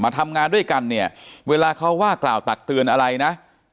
ทำงานด้วยกันเนี่ยเวลาเขาว่ากล่าวตักเตือนอะไรนะ